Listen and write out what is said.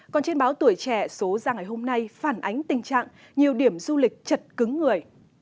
còn trên báo tuổi trẻ số ra ngày hôm nay phản ánh tình trạng nhiều điểm du lịch chật cứng người